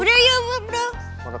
udah yuk bro